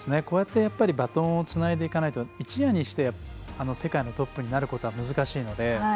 こうやってバトンをつないでいかないと一夜にして世界のトップになることは難しいので。